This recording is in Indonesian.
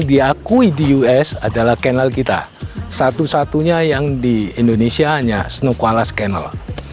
diakui di us adalah channel kita satu satunya yang di indonesia hanya snowcalla scannel